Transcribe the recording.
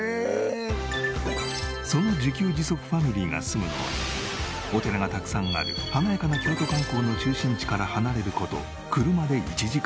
その自給自足ファミリーが住むのはお寺がたくさんある華やかな京都観光の中心地から離れる事車で１時間。